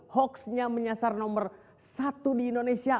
hoaxnya menyasar nomor satu di indonesia